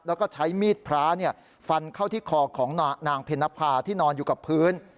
แล้วก็ใช้มีดพระฟันเข้าที่คอของนางเพนภาที่นอนอยู่กับพื้น